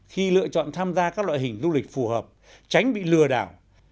khi lựa chọn tham gia các loại hình du lịch phù hợp tránh bị lừa đảo